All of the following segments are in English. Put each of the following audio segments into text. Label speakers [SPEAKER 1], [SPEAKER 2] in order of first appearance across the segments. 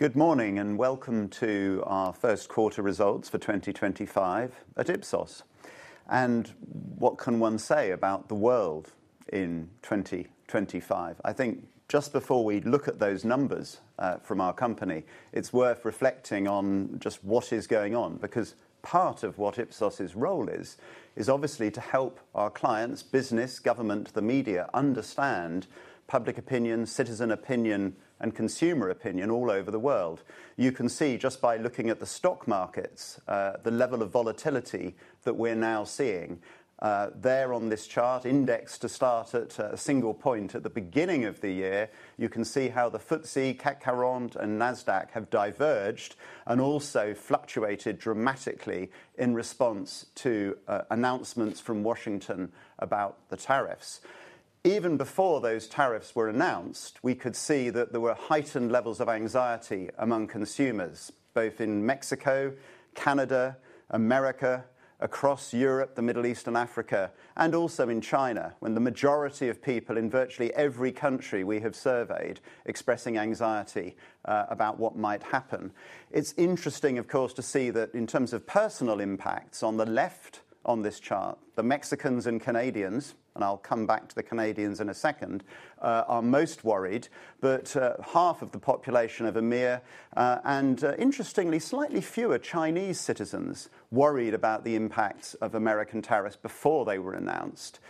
[SPEAKER 1] Good morning and welcome to our first quarter results for 2025 at Ipsos. What can one say about the world in 2025? I think just before we look at those numbers from our company, it's worth reflecting on just what is going on, because part of what Ipsos's role is, is obviously to help our clients, business, government, the media understand public opinion, citizen opinion, and consumer opinion all over the world. You can see just by looking at the stock markets, the level of volatility that we're now seeing. There on this chart, indexed to start at a single point at the beginning of the year, you can see how the FTSE, CAC 40, and Nasdaq have diverged and also fluctuated dramatically in response to announcements from Washington about the tariffs. Even before those tariffs were announced, we could see that there were heightened levels of anxiety among consumers, both in Mexico, Canada, America, across Europe, the Middle East, and Africa, and also in China, when the majority of people in virtually every country we have surveyed expressing anxiety about what might happen. It's interesting, of course, to see that in terms of personal impacts on the left on this chart, the Mexicans and Canadians, and I'll come back to the Canadians in a second, are most worried, but half of the population of EMEA, and interestingly, slightly fewer Chinese citizens worried about the impacts of American tariffs before they were announced.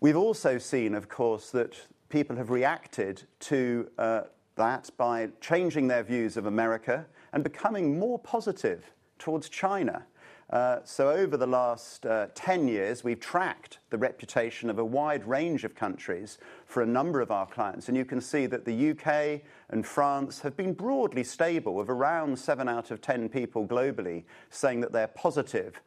[SPEAKER 1] We've also seen, of course, that people have reacted to that by changing their views of America and becoming more positive towards China. Over the last 10 years, we've tracked the reputation of a wide range of countries for a number of our clients. You can see that the U.K. and France have been broadly stable, with around seven out of 10 people globally saying that they're positive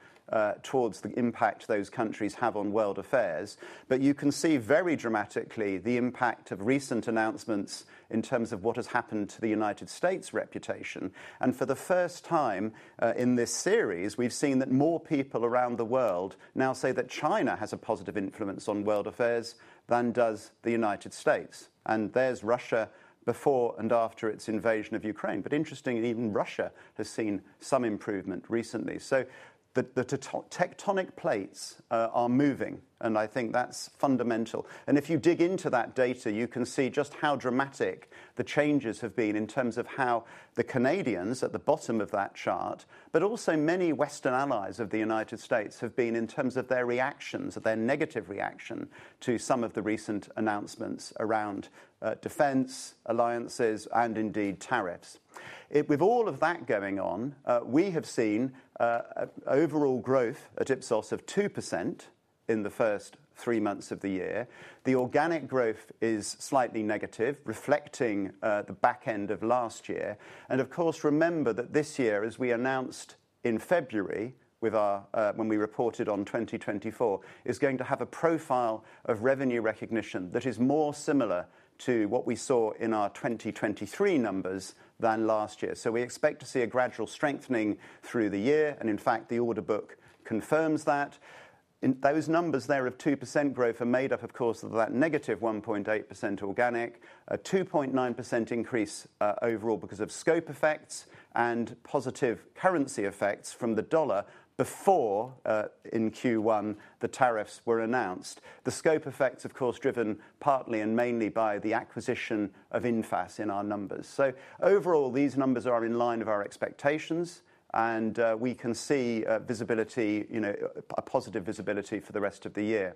[SPEAKER 1] towards the impact those countries have on world affairs. You can see very dramatically the impact of recent announcements in terms of what has happened to the United States' reputation. For the first time in this series, we've seen that more people around the world now say that China has a positive influence on world affairs than does the United States. There's Russia before and after its invasion of Ukraine. Interestingly, even Russia has seen some improvement recently. The tectonic plates are moving, and I think that's fundamental. If you dig into that data, you can see just how dramatic the changes have been in terms of how the Canadians at the bottom of that chart, but also many Western allies of the United States have been in terms of their reactions, their negative reaction to some of the recent announcements around defense alliances and indeed tariffs. With all of that going on, we have seen overall growth at Ipsos of 2% in the first three months of the year. The organic growth is slightly negative, reflecting the back end of last year. Of course, remember that this year, as we announced in February when we reported on 2024, is going to have a profile of revenue recognition that is more similar to what we saw in our 2023 numbers than last year. We expect to see a gradual strengthening through the year. In fact, the order book confirms that. Those numbers there of 2% growth are made up, of course, of that -1.8% organic, a 2.9% increase overall because of scope effects and positive currency effects from the dollar before in Q1 the tariffs were announced. The scope effects, of course, driven partly and mainly by the acquisition of infas in our numbers. Overall, these numbers are in line with our expectations, and we can see visibility, a positive visibility for the rest of the year.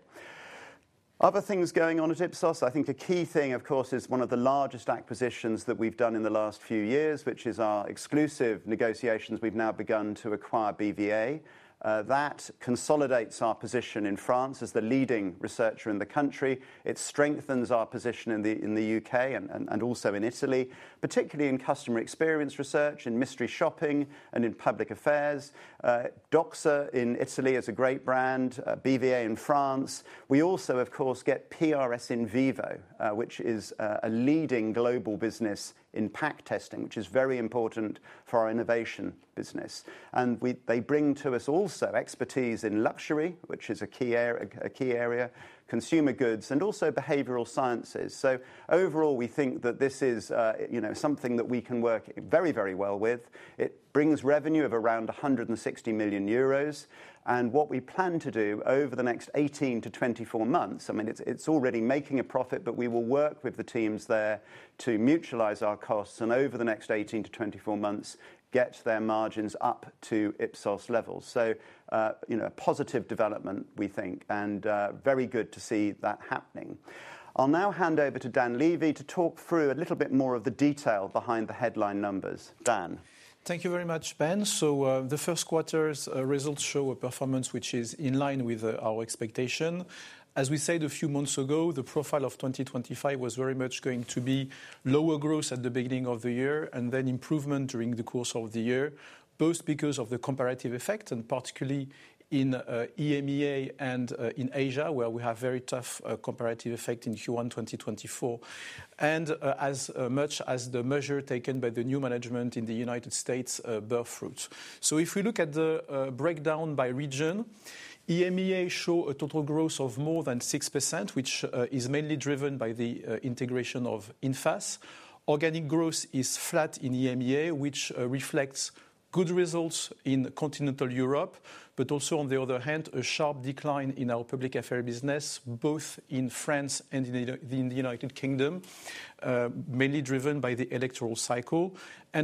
[SPEAKER 1] Other things going on at Ipsos. I think a key thing, of course, is one of the largest acquisitions that we've done in the last few years, which is our exclusive negotiations. We've now begun to acquire BVA. That consolidates our position in France as the leading researcher in the country. It strengthens our position in the U.K. and also in Italy, particularly in customer experience research, in mystery shopping, and in public affairs. DOXA in Italy is a great brand, BVA in France. We also, of course, get PRS IN VIVO, which is a leading global business in pack testing, which is very important for our innovation business. They bring to us also expertise in luxury, which is a key area, consumer goods, and also behavioral sciences. Overall, we think that this is something that we can work very, very well with. It brings revenue of around 160 million euros. What we plan to do over the next 18-24 months, I mean, it is already making a profit, but we will work with the teams there to mutualize our costs and over the next 18-24 months get their margins up to Ipsos levels. A positive development, we think, and very good to see that happening. I'll now hand over to Dan Lévy to talk through a little bit more of the detail behind the headline numbers. Dan.
[SPEAKER 2] Thank you very much, Ben. The first quarter's results show a performance which is in line with our expectation. As we said a few months ago, the profile of 2025 was very much going to be lower growth at the beginning of the year and then improvement during the course of the year, both because of the comparative effect, and particularly in EMEA and in Asia, where we have very tough comparative effect in Q1 2024, and as much as the measure taken by the new management in the United States bear fruits. If we look at the breakdown by region, EMEA show a total growth of more than 6%, which is mainly driven by the integration of infas. Organic growth is flat in EMEA, which reflects good results in continental Europe, but also, on the other hand, a sharp decline in our public affairs business, both in France and in the United Kingdom, mainly driven by the electoral cycle.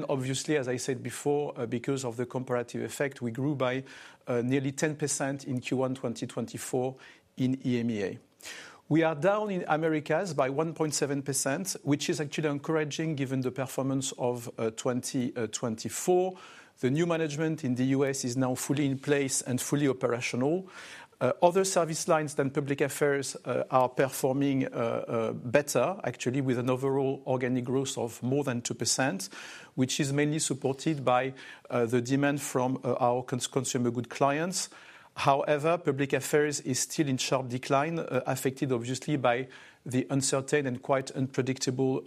[SPEAKER 2] Obviously, as I said before, because of the comparative effect, we grew by nearly 10% in Q1 2024 in EMEA. We are down in Americas by 1.7%, which is actually encouraging given the performance of 2024. The new management in the U.S. is now fully in place and fully operational. Other service lines than public affairs are performing better, actually, with an overall organic growth of more than 2%, which is mainly supported by the demand from our consumer goods clients. However, public affairs is still in sharp decline, affected obviously by the uncertain and quite unpredictable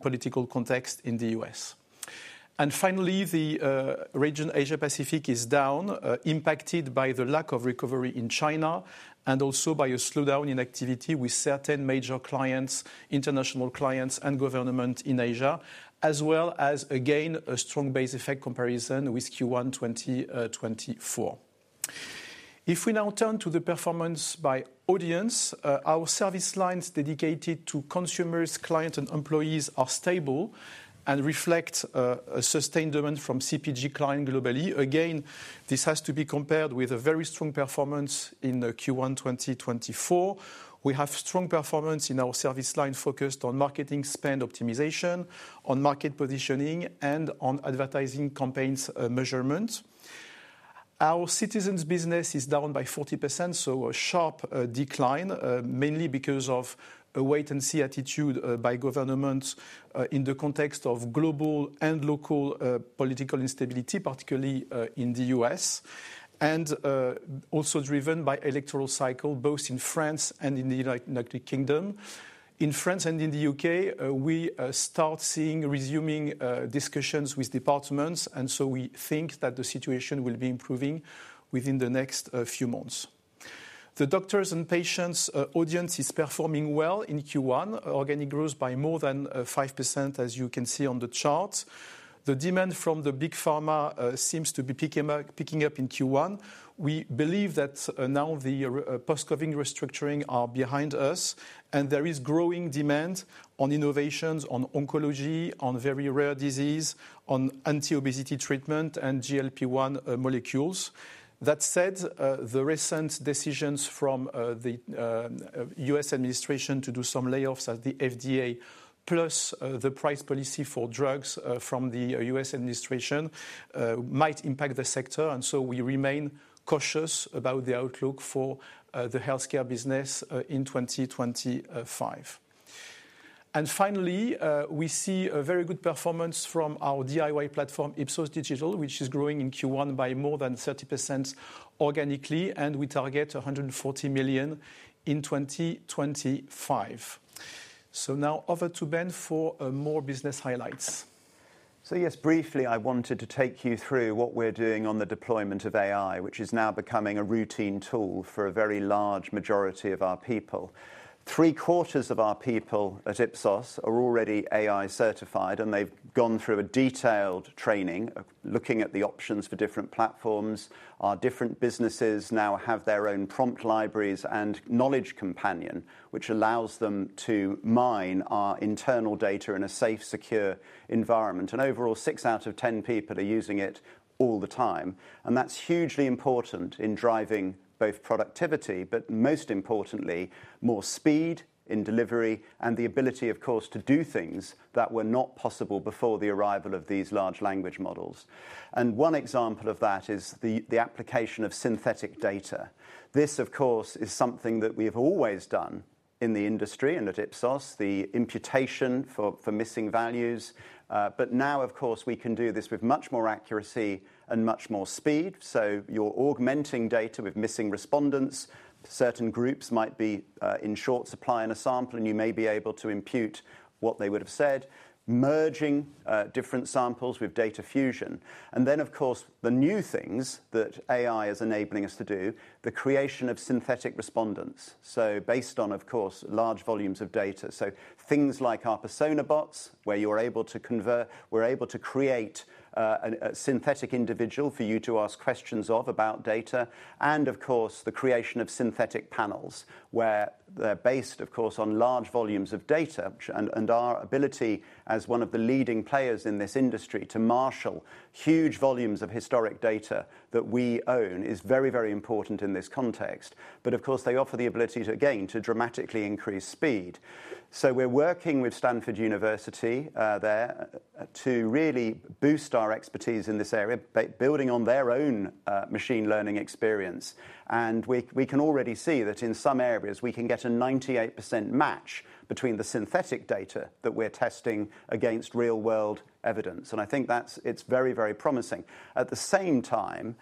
[SPEAKER 2] political context in the U.S. Finally, the region Asia-Pacific is down, impacted by the lack of recovery in China and also by a slowdown in activity with certain major clients, international clients, and government in Asia, as well as, again, a strong base effect comparison with Q1 2024. If we now turn to the performance by audience, our service lines dedicated to consumers, clients, and employees are stable and reflect a sustained demand from CPG clients globally. Again, this has to be compared with a very strong performance in Q1 2024. We have strong performance in our service line focused on marketing spend optimization, on market positioning, and on advertising campaigns measurement. Our citizens' business is down by 40%, so a sharp decline, mainly because of a wait-and-see attitude by government in the context of global and local political instability, particularly in the U.S., and also driven by electoral cycle, both in France and in the United Kingdom. In France and in the U.K., we start seeing resuming discussions with departments, and we think that the situation will be improving within the next few months. The doctors and patients audience is performing well in Q1, organic growth by more than 5%, as you can see on the chart. The demand from the big pharma seems to be picking up in Q1. We believe that now the post-COVID restructuring is behind us, and there is growing demand on innovations on oncology, on very rare disease, on anti-obesity treatment, and GLP-1 molecules. That said, the recent decisions from the U.S. administration to do some layoffs at the FDA, plus the price policy for drugs from the U.S. administration, might impact the sector. We remain cautious about the outlook for the healthcare business in 2025. Finally, we see a very good performance from our DIY platform, Ipsos Digital, which is growing in Q1 by more than 30% organically, and we target 140 million in 2025. Now over to Ben for more business highlights.
[SPEAKER 1] Yes, briefly, I wanted to take you through what we're doing on the deployment of AI, which is now becoming a routine tool for a very large majority of our people. Three quarters of our people at Ipsos are already AI certified, and they've gone through a detailed training looking at the options for different platforms. Our different businesses now have their own prompt libraries and knowledge companion, which allows them to mine our internal data in a safe, secure environment. Overall, six out of 10 people are using it all the time. That's hugely important in driving both productivity, but most importantly, more speed in delivery and the ability, of course, to do things that were not possible before the arrival of these large language models. One example of that is the application of synthetic data. This, of course, is something that we have always done in the industry and at Ipsos, the imputation for missing values. Now, of course, we can do this with much more accuracy and much more speed. You are augmenting data with missing respondents. Certain groups might be in short supply in a sample, and you may be able to impute what they would have said. Merging different samples with data fusion. The new things that AI is enabling us to do include the creation of synthetic respondents, based on, of course, large volumes of data. Things like our persona bots, where you are able to convert, we are able to create a synthetic individual for you to ask questions of about data. The creation of synthetic panels, where they are based, of course, on large volumes of data. Our ability as one of the leading players in this industry to marshal huge volumes of historic data that we own is very, very important in this context. Of course, they offer the ability to, again, dramatically increase speed. We are working with Stanford University there to really boost our expertise in this area, building on their own machine learning experience. We can already see that in some areas, we can get a 98% match between the synthetic data that we are testing against real-world evidence. I think that is very, very promising. At the same time,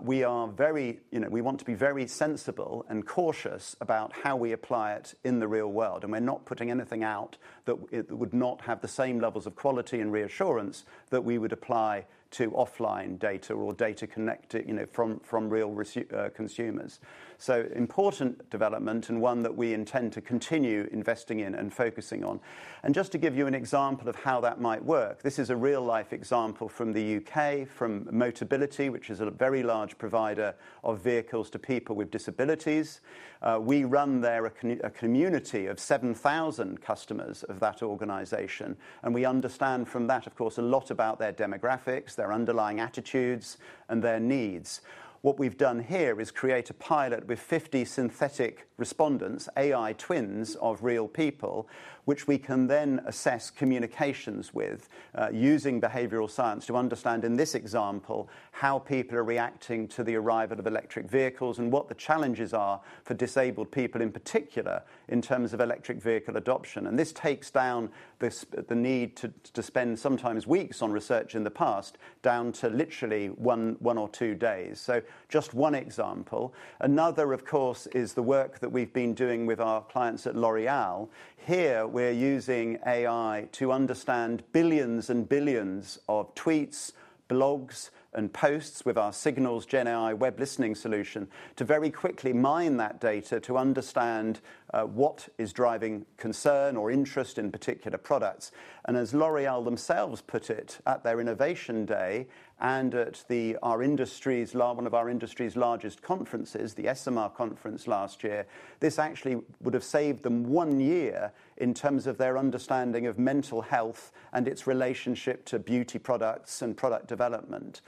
[SPEAKER 1] we want to be very sensible and cautious about how we apply it in the real world. We are not putting anything out that would not have the same levels of quality and reassurance that we would apply to offline data or data connected from real consumers. Important development and one that we intend to continue investing in and focusing on. Just to give you an example of how that might work, this is a real-life example from the U.K., from Mobility, which is a very large provider of vehicles to people with disabilities. We run there a community of 7,000 customers of that organization. We understand from that, of course, a lot about their demographics, their underlying attitudes, and their needs. What we have done here is create a pilot with 50 synthetic respondents, AI twins of real people, which we can then assess communications with using behavioral science to understand, in this example, how people are reacting to the arrival of electric vehicles and what the challenges are for disabled people in particular in terms of electric vehicle adoption. This takes down the need to spend sometimes weeks on research in the past down to literally one or two days. Just one example. Another, of course, is the work that we've been doing with our clients at L'Oréal. Here, we're using AI to understand billions and billions of tweets, blogs, and posts with our Signals GenAI web listening solution to very quickly mine that data to understand what is driving concern or interest in particular products. As L'Oréal themselves put it at their innovation day and at one of our industry's largest conferences, the ESOMAR conference last year, this actually would have saved them one year in terms of their understanding of mental health and its relationship to beauty products and product development.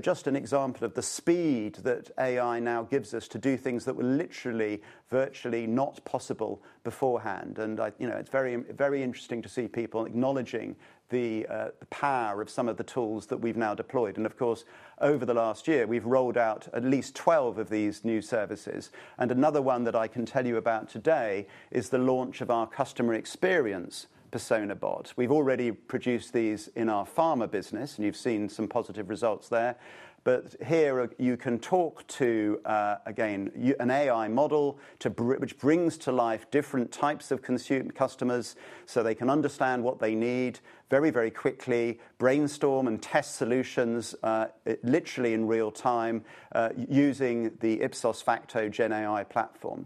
[SPEAKER 1] Just an example of the speed that AI now gives us to do things that were literally, virtually not possible beforehand. It is very interesting to see people acknowledging the power of some of the tools that we've now deployed. Of course, over the last year, we've rolled out at least 12 of these new services. Another one that I can tell you about today is the launch of our Customer Experience PersonaBot. We've already produced these in our pharma business, and you've seen some positive results there. Here, you can talk to, again, an AI model which brings to life different types of consumer customers so they can understand what they need very, very quickly, brainstorm and test solutions literally in real time using the Ipsos Facto GenAI Platform.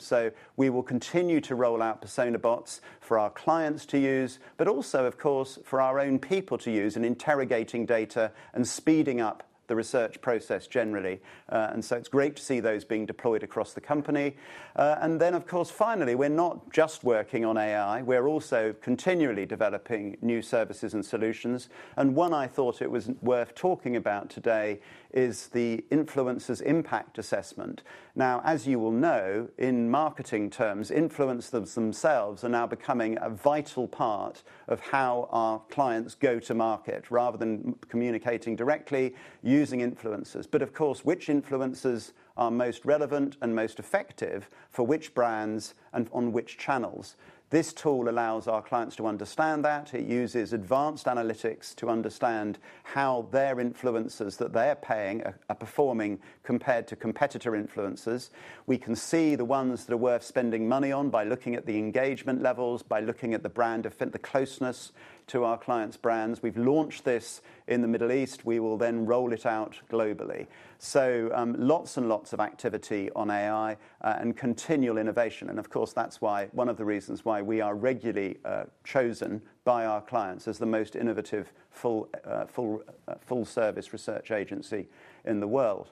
[SPEAKER 1] We will continue to roll out persona bots for our clients to use, but also, of course, for our own people to use in interrogating data and speeding up the research process generally. It is great to see those being deployed across the company. Of course, finally, we are not just working on AI. We are also continually developing new services and solutions. One I thought it was worth talking about today is the Influencers Impact Assessment. As you will know, in marketing terms, influencers themselves are now becoming a vital part of how our clients go to market rather than communicating directly using influencers. Of course, which influencers are most relevant and most effective for which brands and on which channels? This tool allows our clients to understand that. It uses advanced analytics to understand how their influencers that they are paying are performing compared to competitor influencers. We can see the ones that are worth spending money on by looking at the engagement levels, by looking at the brand of the closeness to our clients' brands. We've launched this in the Middle East. We will then roll it out globally. Lots and lots of activity on AI and continual innovation. Of course, that's one of the reasons why we are regularly chosen by our clients as the most innovative full-service research agency in the world.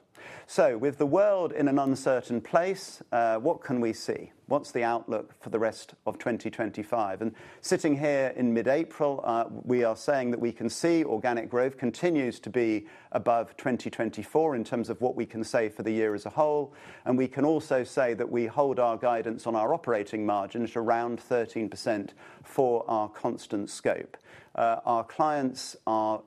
[SPEAKER 1] With the world in an uncertain place, what can we see? What's the outlook for the rest of 2025? Sitting here in mid-April, we are saying that we can see organic growth continues to be above 2024 in terms of what we can say for the year as a whole. We can also say that we hold our guidance on our operating margins around 13% for our constant scope. Our clients are,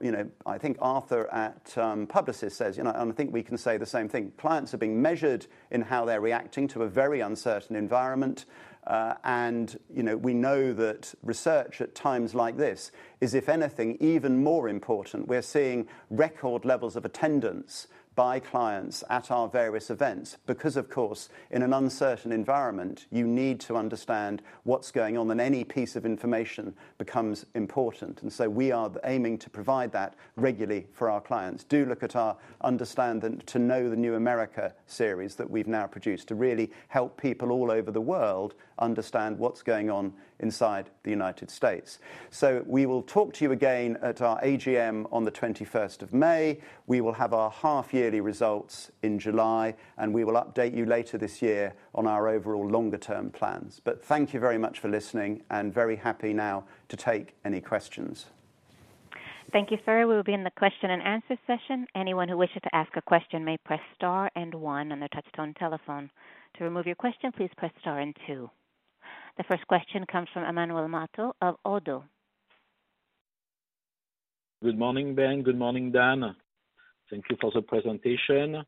[SPEAKER 1] I think Arthur at Publicis says, and I think we can say the same thing. Clients are being measured in how they're reacting to a very uncertain environment. We know that research at times like this is, if anything, even more important. We're seeing record levels of attendance by clients at our various events because, of course, in an uncertain environment, you need to understand what's going on, and any piece of information becomes important. We are aiming to provide that regularly for our clients. Do look at our Understand and to Know the New America series that we've now produced to really help people all over the world understand what's going on inside the United States. We will talk to you again at our AGM on the 21st of May. We will have our half-yearly results in July, and we will update you later this year on our overall longer-term plans. Thank you very much for listening and very happy now to take any questions.
[SPEAKER 3] Thank you, sir. We will begin the question and answer session. Anyone who wishes to ask a question may press star and one on their touch-tone telephone. To remove your question, please press star and two. The first question comes from Emmanuel Matot of ODDO.
[SPEAKER 4] Good morning, Ben. Good morning, Dan. Thank you for the presentation.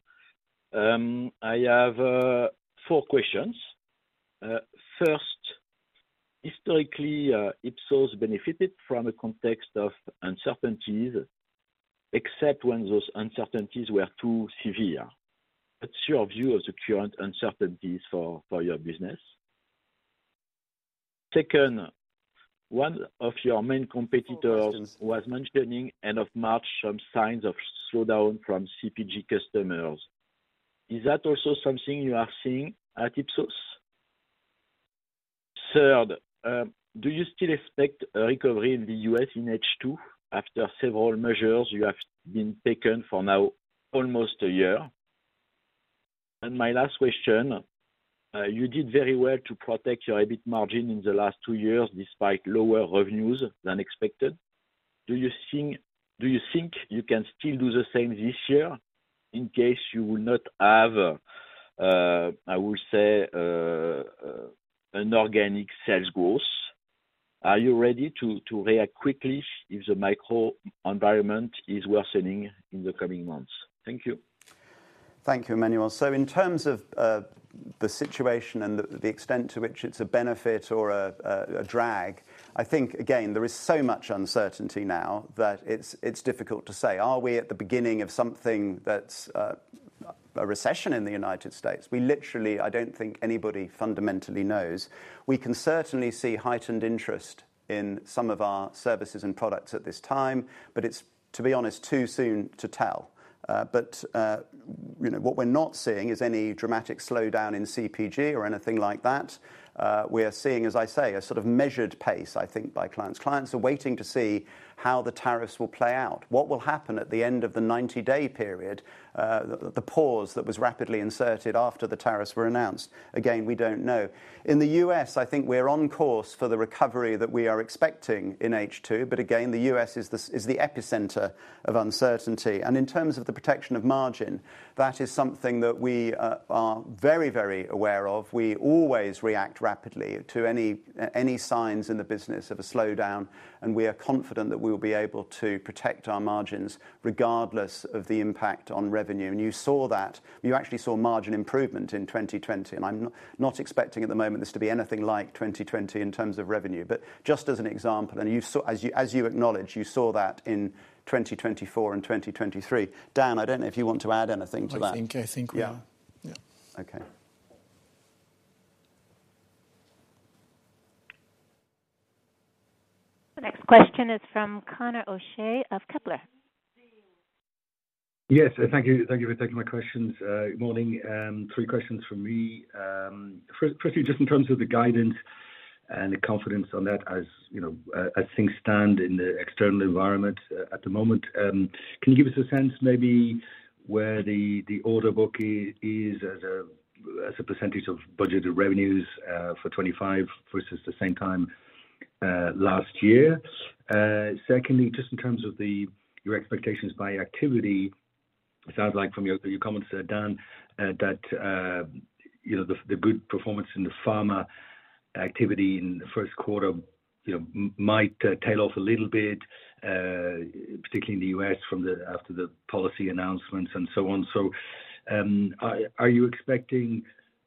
[SPEAKER 4] I have four questions. First, historically, Ipsos benefited from a context of uncertainties, except when those uncertainties were too severe. What's your view of the current uncertainties for your business? Second, one of your main competitors was mentioning end of March some signs of slowdown from CPG customers. Is that also something you are seeing at Ipsos? Third, do you still expect a recovery in the U.S. in H2 after several measures you have been taken for now almost a year? And my last question, you did very well to protect your EBIT margin in the last two years despite lower revenues than expected. Do you think you can still do the same this year in case you will not have, I will say, an organic sales growth? Are you ready to react quickly if the micro environment is worsening in the coming months? Thank you.
[SPEAKER 1] Thank you, Emmanuel. In terms of the situation and the extent to which it's a benefit or a drag, I think, again, there is so much uncertainty now that it's difficult to say. Are we at the beginning of something that's a recession in the U.S.? We literally, I don't think anybody fundamentally knows. We can certainly see heightened interest in some of our services and products at this time, but it's, to be honest, too soon to tell. What we're not seeing is any dramatic slowdown in CPG or anything like that. We are seeing, as I say, a sort of measured pace, I think, by clients. Clients are waiting to see how the tariffs will play out. What will happen at the end of the 90-day period, the pause that was rapidly inserted after the tariffs were announced? Again, we don't know. In the U.S., I think we're on course for the recovery that we are expecting in H2. The U.S. is the epicenter of uncertainty. In terms of the protection of margin, that is something that we are very, very aware of. We always react rapidly to any signs in the business of a slowdown, and we are confident that we will be able to protect our margins regardless of the impact on revenue. You saw that. You actually saw margin improvement in 2020. I'm not expecting at the moment this to be anything like 2020 in terms of revenue. Just as an example, and as you acknowledge, you saw that in 2024 and 2023. Dan, I don't know if you want to add anything to that.
[SPEAKER 2] I think we are.
[SPEAKER 1] Yeah. Okay.
[SPEAKER 3] The next question is from Conor O'Shea of Kepler.
[SPEAKER 5] Yes. Thank you for taking my questions. Good morning. Three questions for me. Firstly, just in terms of the guidance and the confidence on that, as things stand in the external environment at the moment, can you give us a sense maybe where the order book is as a percentage of budgeted revenues for 2025 versus the same time last year? Secondly, just in terms of your expectations by activity, it sounds like from your comments, Dan, that the good performance in the pharma activity in the first quarter might tail off a little bit, particularly in the U.S. after the policy announcements and so on. Are you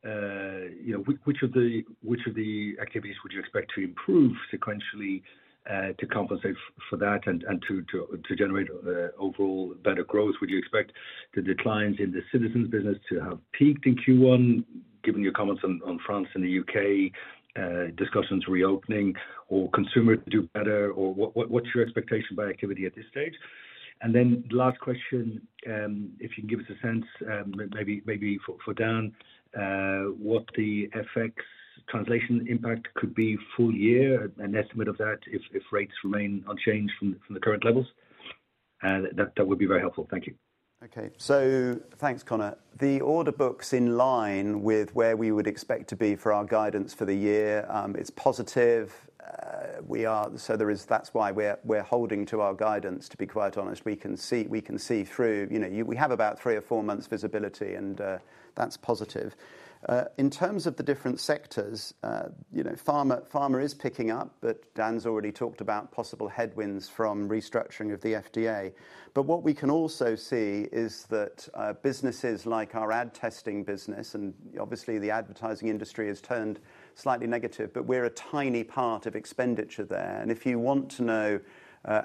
[SPEAKER 5] expecting which of the activities would you expect to improve sequentially to compensate for that and to generate overall better growth? Would you expect the declines in the citizens' business to have peaked in Q1, given your comments on France and the U.K. discussions reopening, or consumers do better? What is your expectation by activity at this stage? The last question, if you can give us a sense, maybe for Dan, what the FX translation impact could be full year, an estimate of that if rates remain unchanged from the current levels? That would be very helpful. Thank you.
[SPEAKER 1] Okay. Thanks, Conor. The order books are in line with where we would expect to be for our guidance for the year. It is positive. That is why we are holding to our guidance, to be quite honest. We can see through. We have about three or four months' visibility, and that is positive. In terms of the different sectors, pharma is picking up, but Dan has already talked about possible headwinds from restructuring of the FDA. What we can also see is that businesses like our ad testing business, and obviously, the advertising industry has turned slightly negative, but we are a tiny part of expenditure there. If you want to know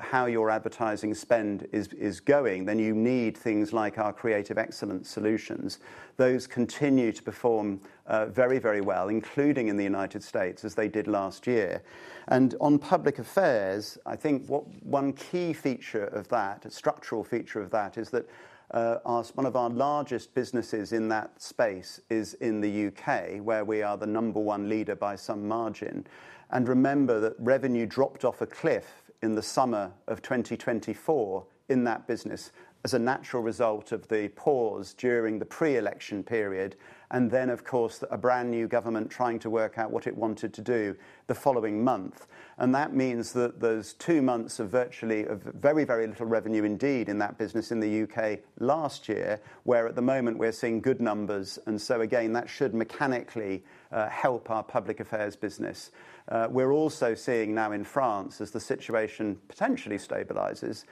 [SPEAKER 1] how your advertising spend is going, then you need things like our Creative Excellence Solutions. Those continue to perform very, very well, including in the United States, as they did last year. On public affairs, I think one key feature of that, a structural feature of that, is that one of our largest businesses in that space is in the U.K., where we are the number one leader by some margin. Remember that revenue dropped off a cliff in the summer of 2024 in that business as a natural result of the pause during the pre-election period, and then, of course, a brand new government trying to work out what it wanted to do the following month. That means that those two months of virtually very, very little revenue indeed in that business in the U.K. last year, where at the moment we're seeing good numbers. Again, that should mechanically help our public affairs business. We're also seeing now in France, as the situation potentially stabilizes,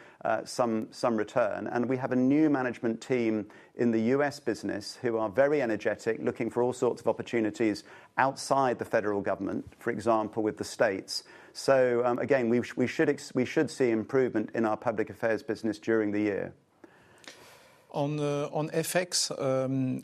[SPEAKER 1] some return. We have a new management team in the U.S. business who are very energetic, looking for all sorts of opportunities outside the federal government, for example, with the states. We should see improvement in our public affairs business during the year.
[SPEAKER 2] On FX,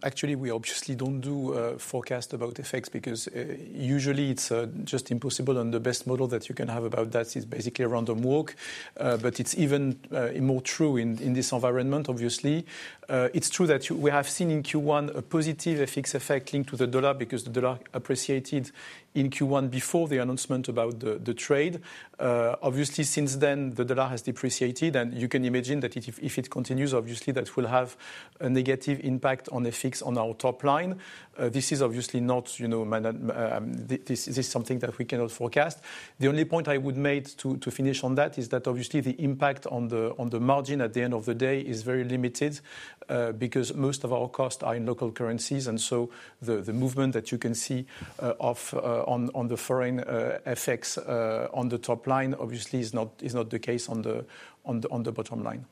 [SPEAKER 2] actually, we obviously do not do forecasts about FX because usually it is just impossible. The best model that you can have about that is basically random walk. It is even more true in this environment, obviously. It is true that we have seen in Q1 a positive FX effect linked to the dollar because the dollar appreciated in Q1 before the announcement about the trade. Obviously, since then, the dollar has depreciated, and you can imagine that if it continues, obviously, that will have a negative impact on FX on our top line. This is obviously not something that we can forecast. The only point I would make to finish on that is that obviously the impact on the margin at the end of the day is very limited because most of our costs are in local currencies. The movement that you can see on the foreign FX on the top line, obviously, is not the case on the bottom line.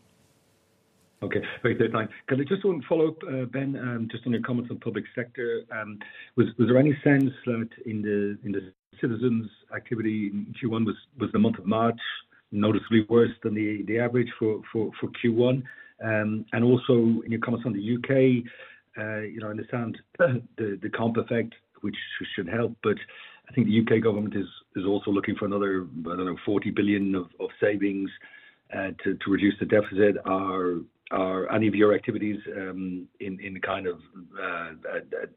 [SPEAKER 5] Okay. Very clear point. Can I just follow up, Ben, just on your comments on public sector? Was there any sense that in the citizens' activity in Q1 was the month of March noticeably worse than the average for Q1? Also, in your comments on the U.K., I understand the comp effect, which should help, but I think the U.K. government is also looking for another, I do not know, 40 billion of savings to reduce the deficit. Are any of your activities in kind of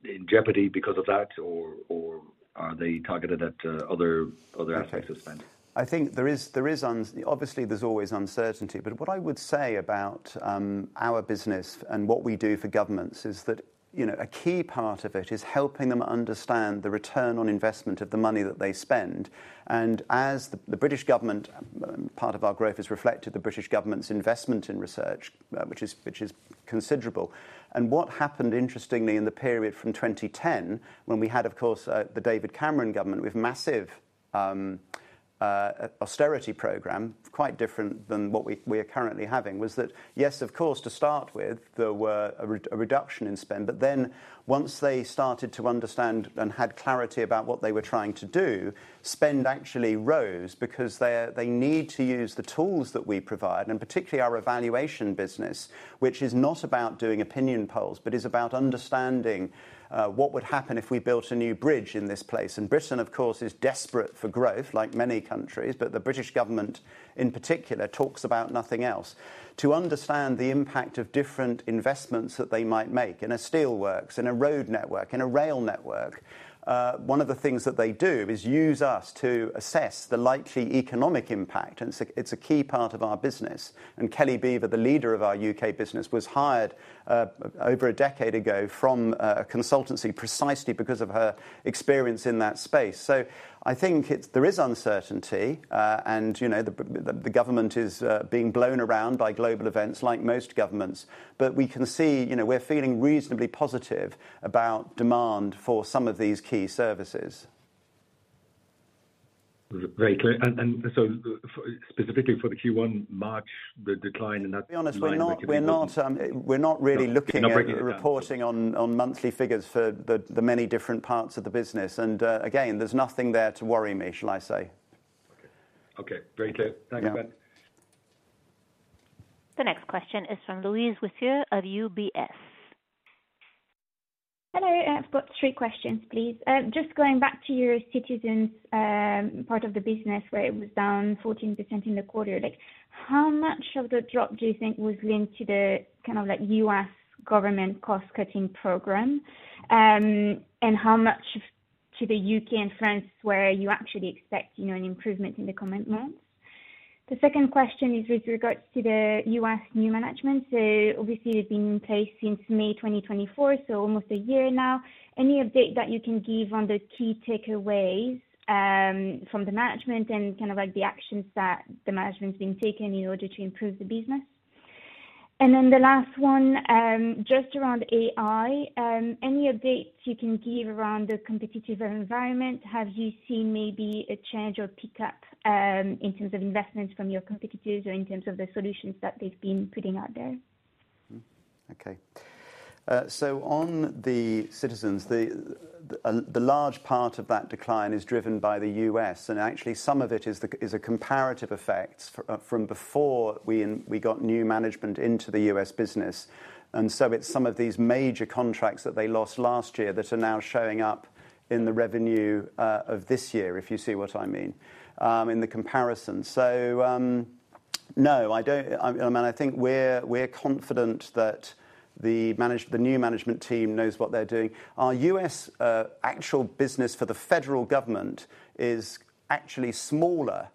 [SPEAKER 5] in jeopardy because of that, or are they targeted at other aspects of spend?
[SPEAKER 1] I think there is obviously always uncertainty. What I would say about our business and what we do for governments is that a key part of it is helping them understand the return on investment of the money that they spend. As the British government, part of our growth is reflected in the British government's investment in research, which is considerable. What happened, interestingly, in the period from 2010, when we had, of course, the David Cameron government with massive austerity program, quite different than what we are currently having, was that, yes, of course, to start with, there were a reduction in spend. Once they started to understand and had clarity about what they were trying to do, spend actually rose because they need to use the tools that we provide, and particularly our evaluation business, which is not about doing opinion polls, but is about understanding what would happen if we built a new bridge in this place. Britain, of course, is desperate for growth, like many countries, but the British government, in particular, talks about nothing else. To understand the impact of different investments that they might make in a steelworks, in a road network, in a rail network, one of the things that they do is use us to assess the likely economic impact. It is a key part of our business. Kelly Beaver, the leader of our U.K. business, was hired over a decade ago from a consultancy precisely because of her experience in that space. I think there is uncertainty, and the government is being blown around by global events like most governments. We can see we are feeling reasonably positive about demand for some of these key services.
[SPEAKER 5] Very clear. Specifically for the Q1, March, the decline in that.
[SPEAKER 1] To be honest, we're not really looking at reporting on monthly figures for the many different parts of the business. Again, there's nothing there to worry me, shall I say.
[SPEAKER 5] Okay. Okay. Very clear. Thank you, Ben.
[SPEAKER 3] The next question is from Louise Wiseur of UBS.
[SPEAKER 6] Hello. I've got three questions, please. Just going back to your citizens' part of the business, where it was down 14% in the quarter, how much of the drop do you think was linked to the kind of U.S. government cost-cutting program, and how much to the U.K. and France, where you actually expect an improvement in the coming months? The second question is with regards to the U.S. new management. Obviously, they've been in place since May 2024, so almost a year now. Any update that you can give on the key takeaways from the management and the actions that the management has been taking in order to improve the business? The last one, just around AI, any updates you can give around the competitive environment? Have you seen maybe a change or pickup in terms of investments from your competitors or in terms of the solutions that they've been putting out there?
[SPEAKER 1] Okay. On the citizens, the large part of that decline is driven by the U.S. Actually, some of it is a comparative effect from before we got new management into the U.S. business. Some of these major contracts that they lost last year are now showing up in the revenue of this year, if you see what I mean, in the comparison. I think we're confident that the new management team knows what they're doing. Our U.S. actual business for the federal government is actually smaller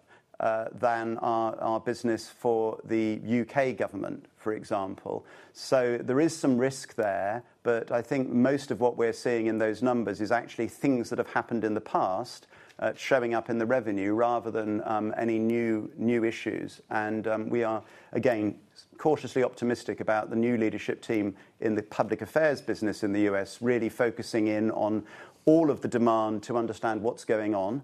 [SPEAKER 1] than our business for the U.K. government, for example. There is some risk there, but I think most of what we're seeing in those numbers is actually things that have happened in the past showing up in the revenue rather than any new issues. We are, again, cautiously optimistic about the new leadership team in the public affairs business in the U.S. really focusing in on all of the demand to understand what's going on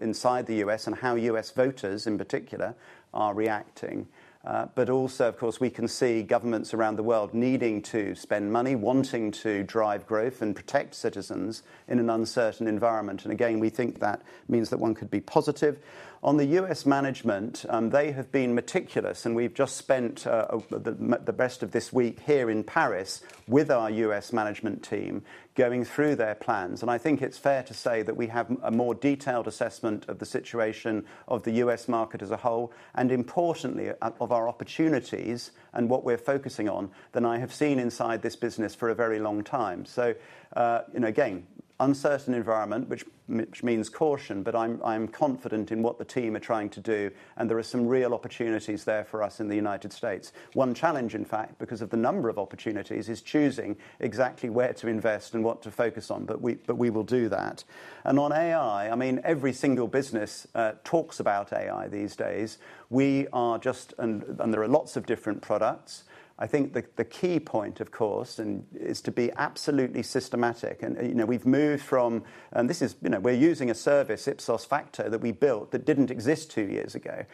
[SPEAKER 1] inside the U.S. and how U.S. voters, in particular, are reacting. Of course, we can see governments around the world needing to spend money, wanting to drive growth and protect citizens in an uncertain environment. Again, we think that means that one could be positive. On the U.S. management, they have been meticulous, and we've just spent the rest of this week here in Paris with our U.S. management team going through their plans. I think it's fair to say that we have a more detailed assessment of the situation of the U.S. market as a whole and, importantly, of our opportunities and what we're focusing on than I have seen inside this business for a very long time. Again, uncertain environment, which means caution, but I'm confident in what the team are trying to do, and there are some real opportunities there for us in the United States. One challenge, in fact, because of the number of opportunities, is choosing exactly where to invest and what to focus on, but we will do that. On AI, I mean, every single business talks about AI these days. We are just, and there are lots of different products. I think the key point, of course, is to be absolutely systematic. We have moved from, and this is, we are using a service, Ipsos Facto, that we built that did not exist two years ago.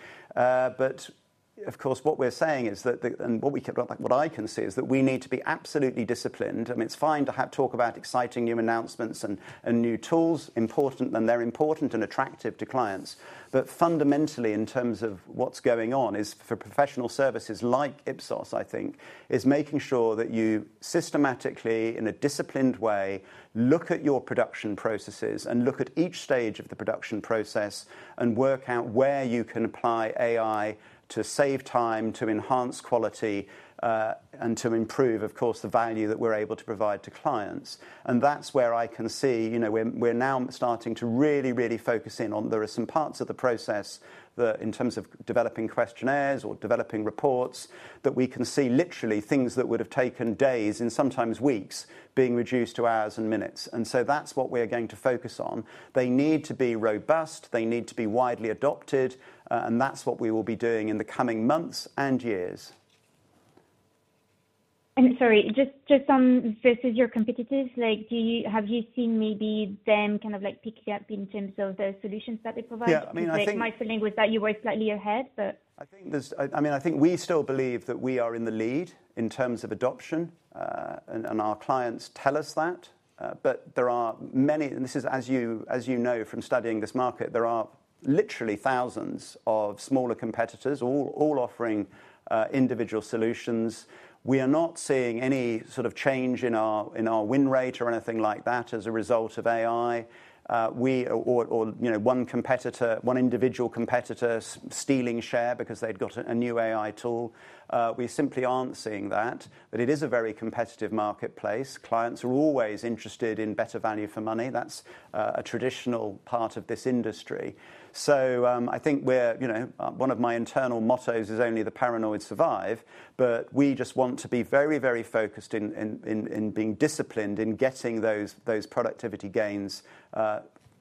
[SPEAKER 1] Of course, what we are saying is that, and what I can see is that we need to be absolutely disciplined. I mean, it is fine to talk about exciting new announcements and new tools, important then, they are important and attractive to clients. Fundamentally, in terms of what is going on, is for professional services like Ipsos, I think, is making sure that you systematically, in a disciplined way, look at your production processes and look at each stage of the production process and work out where you can apply AI to save time, to enhance quality, and to improve, of course, the value that we are able to provide to clients. That is where I can see we're now starting to really, really focus in on there are some parts of the process that, in terms of developing questionnaires or developing reports, that we can see literally things that would have taken days and sometimes weeks being reduced to hours and minutes. That is what we're going to focus on. They need to be robust. They need to be widely adopted. That is what we will be doing in the coming months and years.
[SPEAKER 6] Sorry, just on this, your competitors, have you seen maybe them kind of pick you up in terms of the solutions that they provide?
[SPEAKER 1] Yeah. I mean, I think.
[SPEAKER 6] My feeling was that you were slightly ahead, but.
[SPEAKER 1] I mean, I think we still believe that we are in the lead in terms of adoption, and our clients tell us that. There are many, and this is, as you know, from studying this market, there are literally thousands of smaller competitors all offering individual solutions. We are not seeing any sort of change in our win rate or anything like that as a result of AI or one individual competitor stealing share because they'd got a new AI tool. We simply aren't seeing that. It is a very competitive marketplace. Clients are always interested in better value for money. That's a traditional part of this industry. I think one of my internal mottos is only the paranoid survive, but we just want to be very, very focused in being disciplined in getting those productivity gains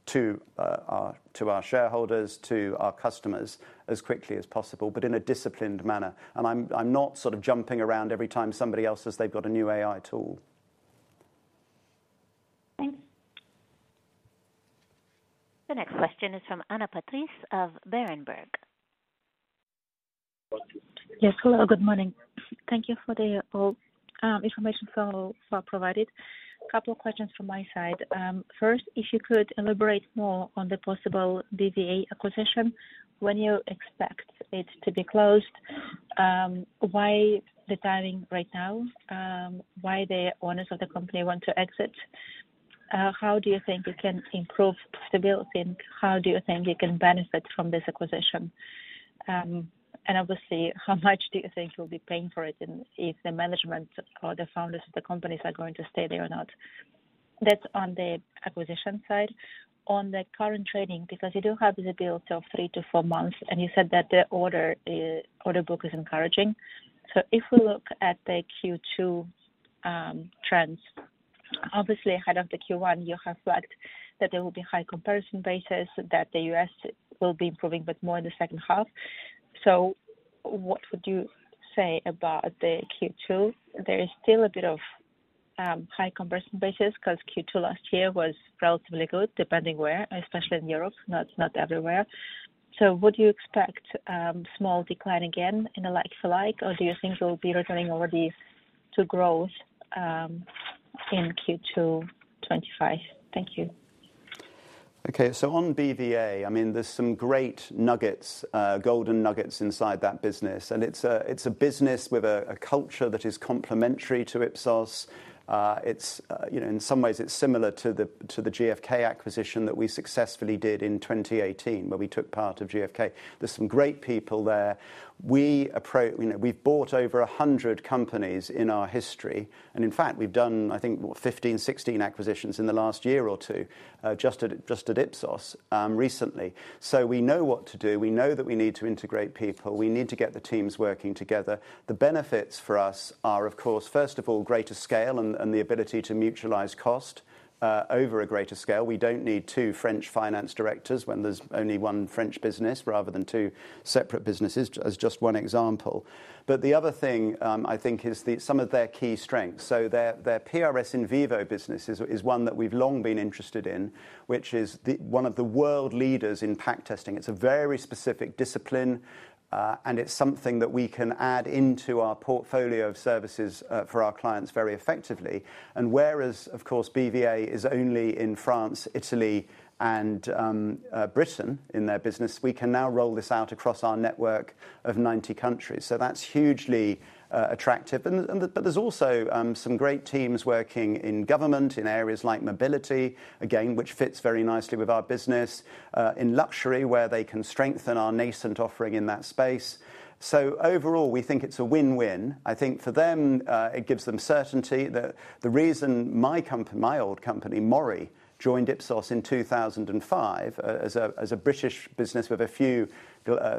[SPEAKER 1] to our shareholders, to our customers as quickly as possible, but in a disciplined manner. I'm not sort of jumping around every time somebody else says they've got a new AI tool.
[SPEAKER 6] Thanks.
[SPEAKER 3] The next question is from Anna Patrice of Berenberg.
[SPEAKER 7] Yes. Hello. Good morning. Thank you for the information provided. A couple of questions from my side. First, if you could elaborate more on the possible BVA acquisition. When you expect it to be closed, why the timing right now? Why the owners of the company want to exit? How do you think it can improve? If you think, how do you think you can benefit from this acquisition? Obviously, how much do you think you'll be paying for it, if the management or the founders of the companies are going to stay there or not? That is on the acquisition side. On the current trading, because you do have the build of three to four months, and you said that the order book is encouraging. If we look at the Q2 trends, obviously, ahead of the Q1, you have flagged that there will be high comparison basis, that the U.S. will be improving, but more in the second half. What would you say about the Q2? There is still a bit of high comparison basis because Q2 last year was relatively good, depending where, especially in Europe, not everywhere. Would you expect small decline again in the like for like, or do you think there will be returning already to growth in Q2 2025? Thank you.
[SPEAKER 1] Okay. On BVA, I mean, there's some great nuggets, golden nuggets inside that business. It's a business with a culture that is complementary to Ipsos. In some ways, it's similar to the GfK acquisition that we successfully did in 2018, where we took part of GfK. There's some great people there. We've bought over 100 companies in our history. In fact, we've done, I think, 15, 16 acquisitions in the last year or two just at Ipsos recently. We know what to do. We know that we need to integrate people. We need to get the teams working together. The benefits for us are, of course, first of all, greater scale and the ability to mutualize cost over a greater scale. We don't need two French finance directors when there's only one French business rather than two separate businesses, as just one example. The other thing I think is some of their key strengths. Their PRS IN VIVO business is one that we've long been interested in, which is one of the world leaders in pack testing. It's a very specific discipline, and it's something that we can add into our portfolio of services for our clients very effectively. Whereas, of course, BVA is only in France, Italy, and Britain in their business, we can now roll this out across our network of 90 countries. That's hugely attractive. There's also some great teams working in government in areas like mobility, again, which fits very nicely with our business in luxury, where they can strengthen our nascent offering in that space. Overall, we think it's a win-win. I think for them, it gives them certainty. The reason my old company, MORI, joined Ipsos in 2005 as a British business with a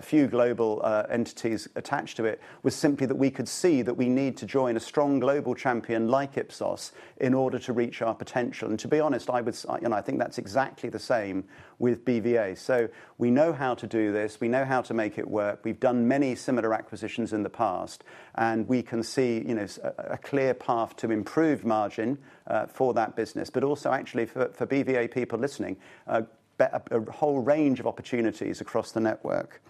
[SPEAKER 1] few global entities attached to it was simply that we could see that we need to join a strong global champion like Ipsos in order to reach our potential. To be honest, I think that's exactly the same with BVA. We know how to do this. We know how to make it work. We've done many similar acquisitions in the past, and we can see a clear path to improved margin for that business, but also actually for BVA people listening, a whole range of opportunities across the network.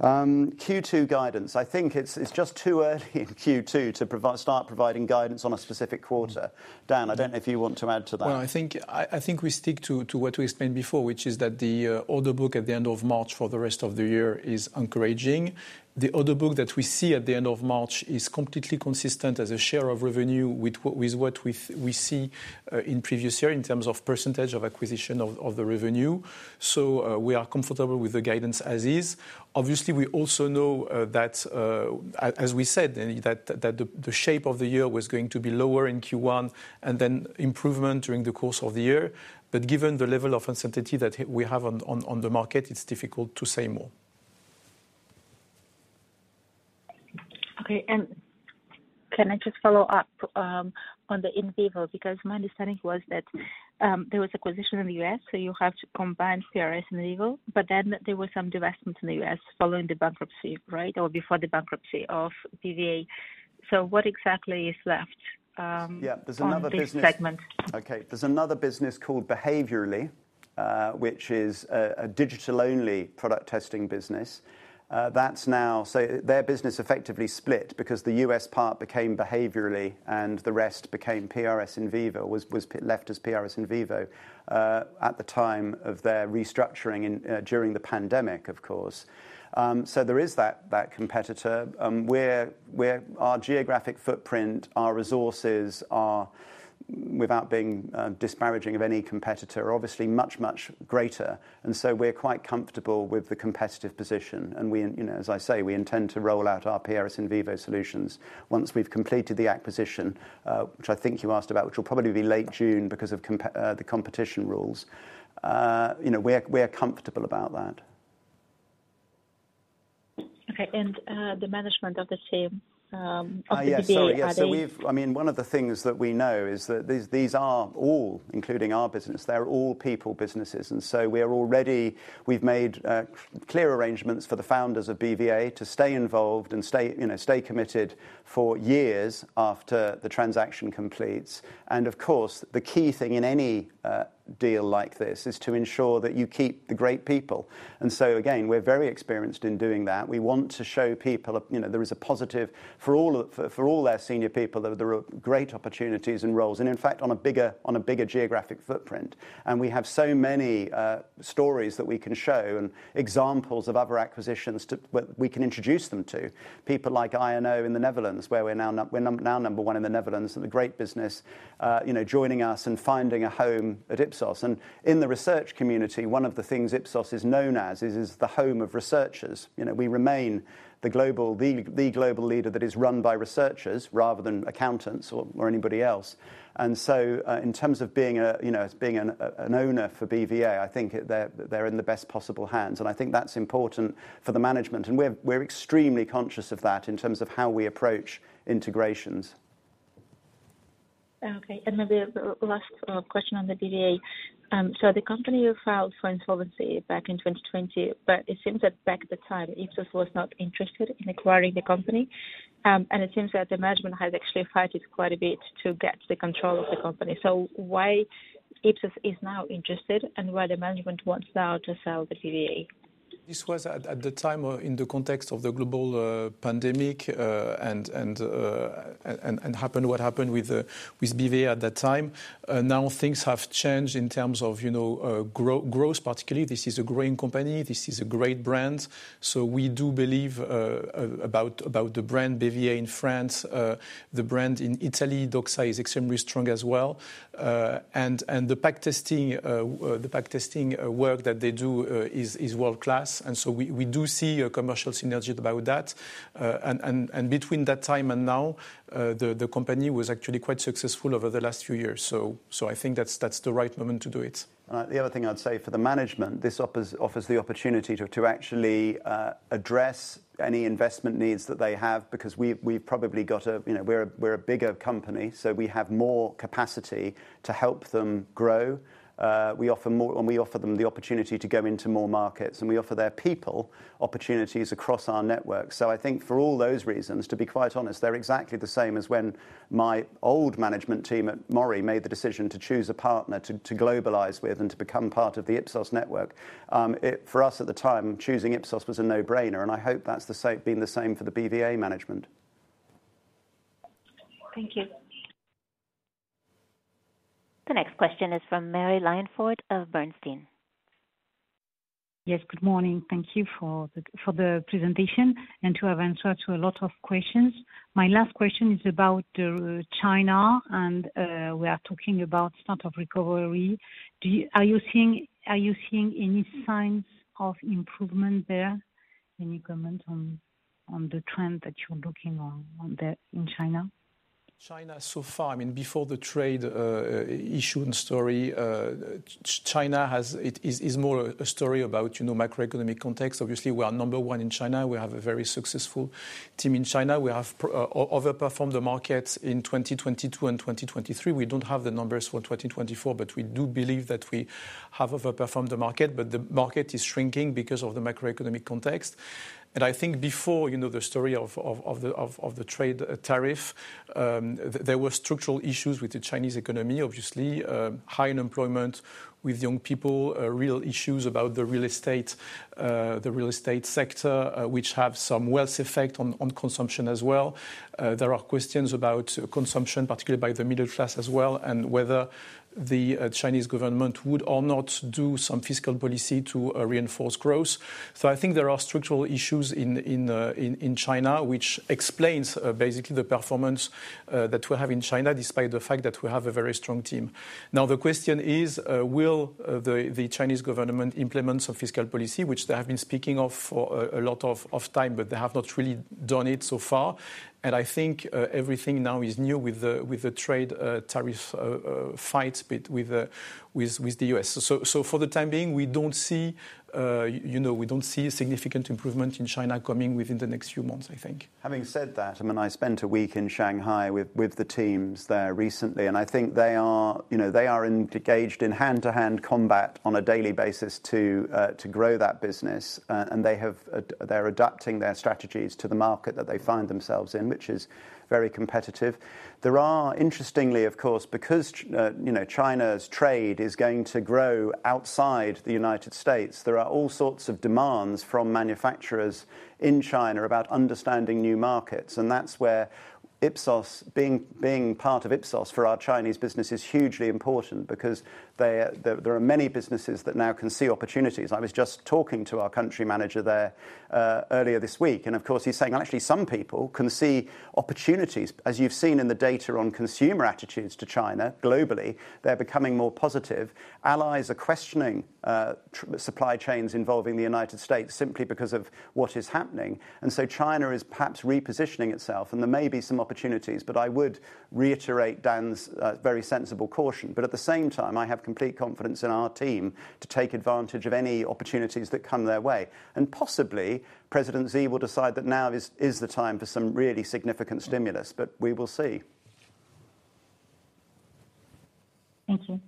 [SPEAKER 1] Q2 guidance, I think it's just too early in Q2 to start providing guidance on a specific quarter. Dan, I don't know if you want to add to that.
[SPEAKER 2] I think we stick to what we explained before, which is that the order book at the end of March for the rest of the year is encouraging. The order book that we see at the end of March is completely consistent as a share of revenue with what we see in previous year in terms of percentage of acquisition of the revenue. We are comfortable with the guidance as is. Obviously, we also know that, as we said, the shape of the year was going to be lower in Q1 and then improvement during the course of the year. Given the level of uncertainty that we have on the market, it's difficult to say more.
[SPEAKER 7] Okay. Can I just follow up on the IN VIVO? My understanding was that there was acquisition in the U.S., so you have to combine PRS IN VIVO, but then there was some divestment in the U.S. following the bankruptcy, right, or before the bankruptcy of BVA. What exactly is left?
[SPEAKER 1] Yeah. There's another business. Okay. There's another business called Behaviorally, which is a digital-only product testing business. Their business effectively split because the U.S. part became Behaviorally and the rest was left as PRS IN VIVO at the time of their restructuring during the pandemic, of course. There is that competitor. Our geographic footprint, our resources, without being disparaging of any competitor, are obviously much, much greater. We're quite comfortable with the competitive position. As I say, we intend to roll out our PRS IN VIVO solutions once we've completed the acquisition, which I think you asked about, which will probably be late June because of the competition rules. We're comfortable about that.
[SPEAKER 7] Okay. The management of the same of BVA.
[SPEAKER 1] Yeah. I mean, one of the things that we know is that these are all, including our business, they're all people businesses. We have made clear arrangements for the founders of BVA to stay involved and stay committed for years after the transaction completes. Of course, the key thing in any deal like this is to ensure that you keep the great people. Again, we're very experienced in doing that. We want to show people there is a positive for all their senior people, there are great opportunities and roles, and in fact, on a bigger geographic footprint. We have so many stories that we can show and examples of other acquisitions that we can introduce them to. People like I&O in the Netherlands, where we're now number one in the Netherlands, and a great business joining us and finding a home at Ipsos. In the research community, one of the things Ipsos is known as is the home of researchers. We remain the global leader that is run by researchers rather than accountants or anybody else. In terms of being an owner for BVA, I think they're in the best possible hands. I think that's important for the management. We're extremely conscious of that in terms of how we approach integrations.
[SPEAKER 7] Okay. Maybe the last question on the BVA. The company filed for insolvency back in 2020, but it seems that back at the time, Ipsos was not interested in acquiring the company. It seems that the management has actually fought quite a bit to get the control of the company. Why is Ipsos now interested and why does the management want now to sell the BVA?
[SPEAKER 2] This was at the time or in the context of the global pandemic and what happened with BVA at that time. Now things have changed in terms of growth, particularly. This is a growing company. This is a great brand. We do believe about the brand BVA in France, the brand in Italy, DOXA, is extremely strong as well. The pack testing work that they do is world-class. We do see a commercial synergy about that. Between that time and now, the company was actually quite successful over the last few years. I think that's the right moment to do it.
[SPEAKER 1] The other thing I'd say for the management, this offers the opportunity to actually address any investment needs that they have because we've probably got a we're a bigger company, so we have more capacity to help them grow. We offer them the opportunity to go into more markets, and we offer their people opportunities across our network. I think for all those reasons, to be quite honest, they're exactly the same as when my old management team at MORI made the decision to choose a partner to globalize with and to become part of the Ipsos network. For us at the time, choosing Ipsos was a no-brainer, and I hope that's been the same for the BVA management.
[SPEAKER 7] Thank you.
[SPEAKER 3] The next question is from Marie-Line Fort of Bernstein.
[SPEAKER 8] Yes. Good morning. Thank you for the presentation and to have answered to a lot of questions. My last question is about China, and we are talking about start of recovery. Are you seeing any signs of improvement there? Any comment on the trend that you're looking on there in China?
[SPEAKER 2] China so far, I mean, before the trade issue and story, China is more a story about macroeconomic context. Obviously, we are number one in China. We have a very successful team in China. We have overperformed the market in 2022 and 2023. We do not have the numbers for 2024, but we do believe that we have overperformed the market. The market is shrinking because of the macroeconomic context. I think before the story of the trade tariff, there were structural issues with the Chinese economy, obviously, high unemployment with young people, real issues about the real estate sector, which have some wealth effect on consumption as well. There are questions about consumption, particularly by the middle class as well, and whether the Chinese government would or not do some fiscal policy to reinforce growth. I think there are structural issues in China, which explains basically the performance that we have in China despite the fact that we have a very strong team. Now, the question is, will the Chinese government implement some fiscal policy, which they have been speaking of for a lot of time, but they have not really done it so far. I think everything now is new with the trade tariff fights with the U.S. For the time being, we do not see significant improvement in China coming within the next few months, I think.
[SPEAKER 1] Having said that, I mean, I spent a week in Shanghai with the teams there recently, and I think they are engaged in hand-to-hand combat on a daily basis to grow that business. They are adapting their strategies to the market that they find themselves in, which is very competitive. There are, interestingly, of course, because China's trade is going to grow outside the United States, all sorts of demands from manufacturers in China about understanding new markets. That is where Ipsos, being part of Ipsos for our Chinese business, is hugely important because there are many businesses that now can see opportunities. I was just talking to our country manager there earlier this week, and of course, he is saying, well, actually, some people can see opportunities. As you have seen in the data on consumer attitudes to China globally, they are becoming more positive. Allies are questioning supply chains involving the United States simply because of what is happening. China is perhaps repositioning itself, and there may be some opportunities. I would reiterate Dan's very sensible caution. At the same time, I have complete confidence in our team to take advantage of any opportunities that come their way. Possibly, President Xi will decide that now is the time for some really significant stimulus, but we will see.
[SPEAKER 8] Thank you.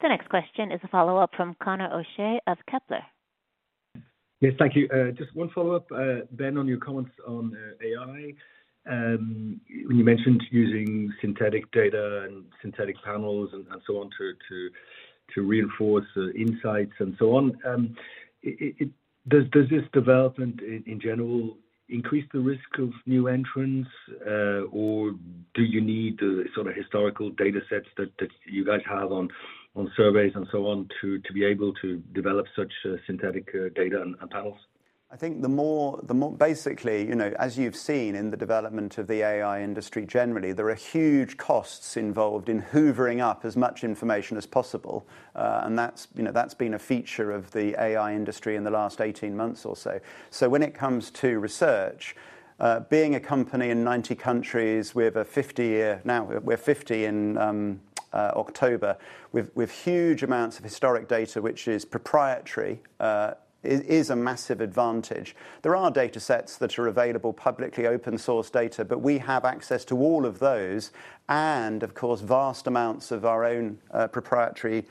[SPEAKER 3] The next question is a follow-up from Conor O'Shea of Kepler.
[SPEAKER 5] Yes. Thank you. Just one follow-up, Ben, on your comments on AI. When you mentioned using synthetic data and synthetic panels and so on to reinforce insights and so on, does this development in general increase the risk of new entrants, or do you need the sort of historical datasets that you guys have on surveys and so on to be able to develop such synthetic data and panels?
[SPEAKER 1] I think the more basically, as you've seen in the development of the AI industry generally, there are huge costs involved in hoovering up as much information as possible. That's been a feature of the AI industry in the last 18 months or so. When it comes to research, being a company in 90 countries, we have a 50-year now, we're 50 in October. With huge amounts of historic data, which is proprietary, is a massive advantage. There are datasets that are available publicly, open-source data, but we have access to all of those and, of course, vast amounts of our own proprietary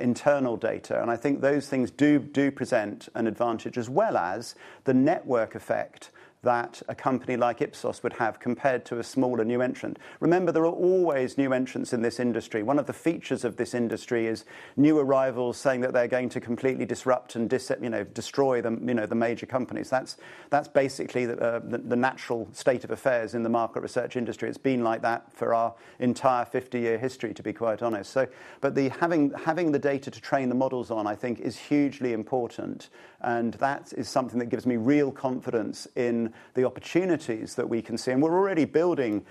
[SPEAKER 1] internal data. I think those things do present an advantage as well as the network effect that a company like Ipsos would have compared to a smaller new entrant. Remember, there are always new entrants in this industry. One of the features of this industry is new arrivals saying that they're going to completely disrupt and destroy the major companies. That's basically the natural state of affairs in the market research industry. It's been like that for our entire 50-year history, to be quite honest. Having the data to train the models on, I think, is hugely important. That is something that gives me real confidence in the opportunities that we can see. We're already building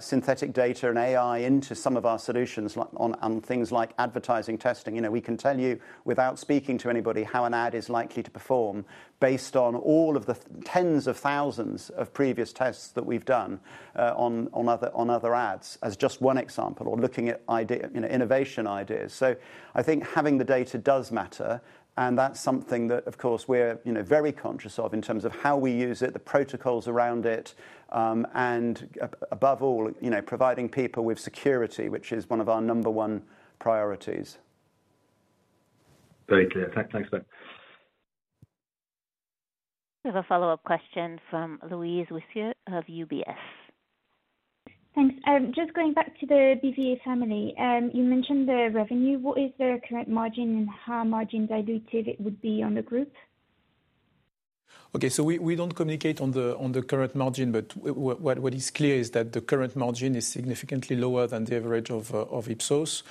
[SPEAKER 1] synthetic data and AI into some of our solutions on things like advertising testing. We can tell you without speaking to anybody how an ad is likely to perform based on all of the tens of thousands of previous tests that we've done on other ads, as just one example, or looking at innovation ideas. I think having the data does matter. That is something that, of course, we are very conscious of in terms of how we use it, the protocols around it, and above all, providing people with security, which is one of our number one priorities.
[SPEAKER 5] Very clear. Thanks, Ben.
[SPEAKER 3] We have a follow-up question from Louise Wiseur of UBS.
[SPEAKER 6] Thanks. Just going back to the BVA Family, you mentioned the revenue. What is the current margin and how margin diluted it would be on the group?
[SPEAKER 2] Okay. We do not communicate on the current margin, but what is clear is that the current margin is significantly lower than the average of Ipsos.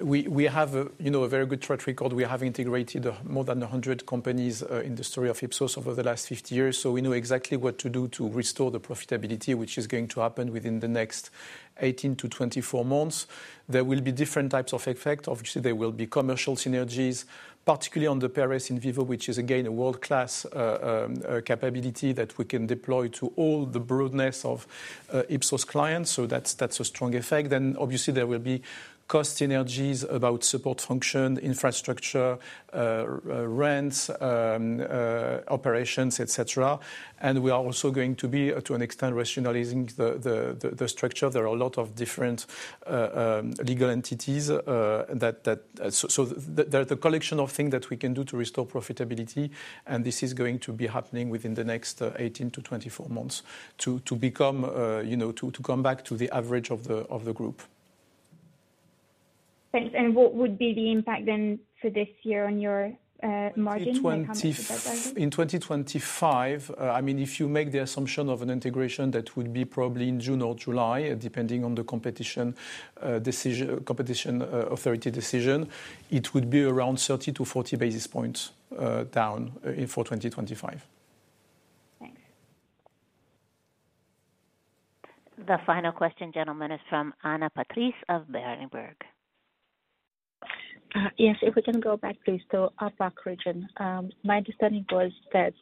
[SPEAKER 2] We have a very good track record. We have integrated more than 100 companies in the story of Ipsos over the last 50 years. We know exactly what to do to restore the profitability, which is going to happen within the next 18-24 months. There will be different types of effects. Obviously, there will be commercial synergies, particularly on the PRS IN VIVO, which is, again, a world-class capability that we can deploy to all the broadness of Ipsos clients. That is a strong effect. Obviously, there will be cost synergies about support function, infrastructure, rents, operations, etc. We are also going to be, to an extent, rationalizing the structure. There are a lot of different legal entities. There is a collection of things that we can do to restore profitability. This is going to be happening within the next 18-24 months to come back to the average of the group.
[SPEAKER 6] Thanks. What would be the impact then for this year on your margin?
[SPEAKER 2] In 2025, I mean, if you make the assumption of an integration, that would be probably in June or July, depending on the competition authority decision, it would be around 30-40 basis points down for 2025.
[SPEAKER 6] Thanks.
[SPEAKER 3] The final question, gentlemen, is from Anna Patrice of Berenberg.
[SPEAKER 7] Yes. If we can go back, please, to APAC region. My understanding was that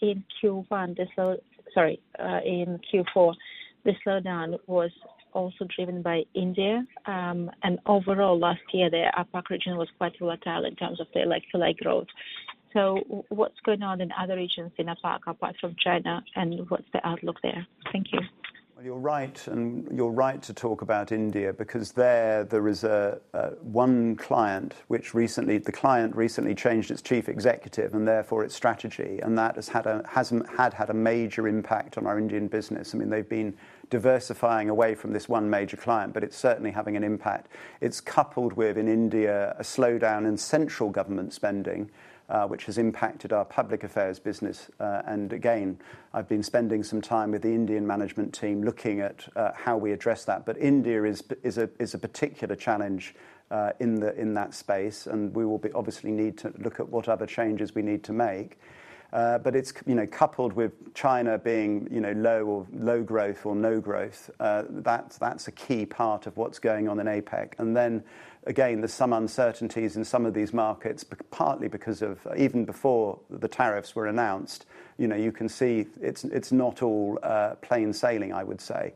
[SPEAKER 7] in Q1, sorry, in Q4, the slowdown was also driven by India. Overall, last year, the APAC region was quite volatile in terms of their like-for-like growth. What is going on in other regions in APAC apart from China, and what is the outlook there? Thank you.
[SPEAKER 1] You're right. You're right to talk about India because there is one client, which recently, the client recently changed its chief executive and therefore its strategy. That has had a major impact on our Indian business. I mean, they've been diversifying away from this one major client, but it's certainly having an impact. It's coupled with, in India, a slowdown in central government spending, which has impacted our public affairs business. Again, I've been spending some time with the Indian management team looking at how we address that. India is a particular challenge in that space, and we will obviously need to look at what other changes we need to make. It's coupled with China being low growth or no growth. That's a key part of what's going on in APAC. There are some uncertainties in some of these markets, partly because even before the tariffs were announced, you can see it is not all plain sailing, I would say.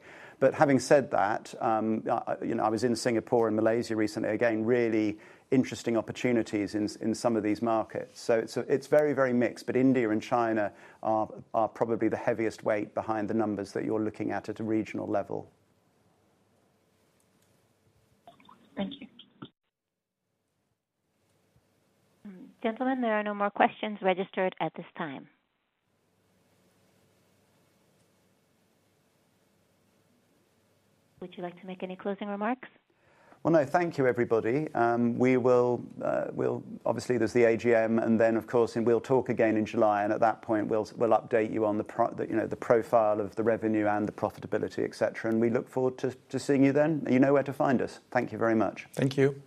[SPEAKER 1] Having said that, I was in Singapore and Malaysia recently. Really interesting opportunities in some of these markets. It is very, very mixed, but India and China are probably the heaviest weight behind the numbers that you are looking at at a regional level.
[SPEAKER 3] Gentlemen, there are no more questions registered at this time. Would you like to make any closing remarks?
[SPEAKER 1] Thank you, everybody. Obviously, there's the AGM, and then, of course, we'll talk again in July. At that point, we'll update you on the profile of the revenue and the profitability, etc. We look forward to seeing you then. You know where to find us. Thank you very much.
[SPEAKER 2] Thank you.